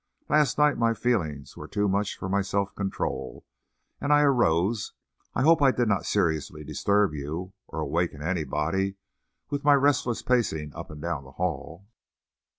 Last night my feelings were too much for my self control, and I arose. I hope I did not seriously disturb you, or awaken anybody, with my restless pacing up and down the hall."